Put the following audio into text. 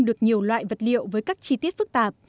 được nhiều loại vật liệu với các chi tiết phức tạp